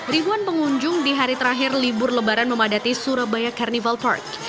ribuan pengunjung di hari terakhir libur lebaran memadati surabaya carnival park